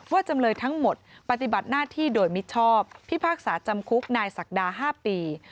จำเลยทั้งหมดปฏิบัติหน้าที่โดยมิชอบพิพากษาจำคุกนายศักดา๕ปี